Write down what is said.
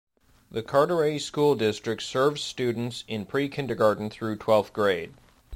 The Carteret School District serves students in pre-Kindergarten through twelfth grade.